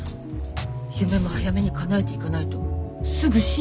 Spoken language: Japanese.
夢も早めにかなえていかないとすぐ死んじゃうんだから。